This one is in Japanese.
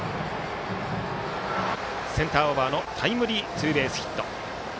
センターオーバーのタイムリーツーベースヒット。